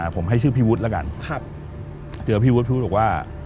ผมให้ชื่อพี่วุฒิแล้วกันเจอพี่วุฒิพูดบอกว่า